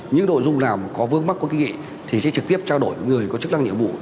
những nội dung nào mà có vương mắc có nghị thì sẽ trực tiếp trao đổi với người có chức năng nhiệm vụ